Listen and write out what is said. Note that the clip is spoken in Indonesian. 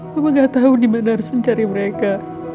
mama gak tau dimana harus mencari mereka